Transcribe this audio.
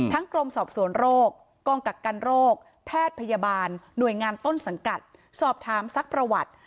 กรมสอบสวนโรคกองกักกันโรคแพทย์พยาบาลหน่วยงานต้นสังกัดสอบถามซักประวัติ